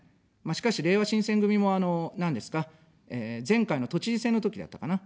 しかし、れいわ新選組も、あの、なんですか、前回の都知事選のときだったかな。